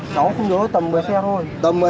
sáu không nhớ tầm một mươi xe thôi